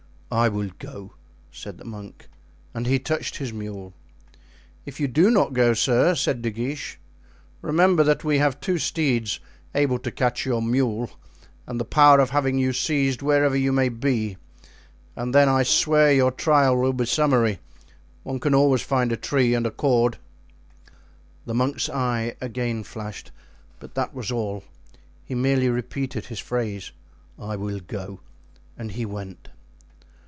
"I will go," said the monk. And he touched his mule. "If you do not go, sir," said De Guiche, "remember that we have two steeds able to catch your mule and the power of having you seized wherever you may be; and then I swear your trial will be summary; one can always find a tree and a cord." The monk's eye again flashed, but that was all; he merely repeated his phrase, "I will go,"—and he went.